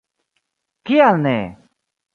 Kial ne?!